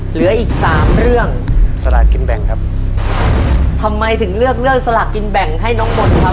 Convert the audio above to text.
เหลืออีกสามเรื่องสลากกินแบ่งครับทำไมถึงเลือกเรื่องสลากกินแบ่งให้น้องมนต์ครับ